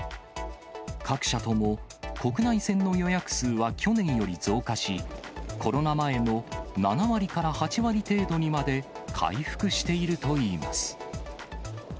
各社とも国内線の予約数は去年より増加し、コロナ前の７割から８割程度にまで回復しているといいます。